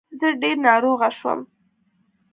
زه ډير ناروغه شوم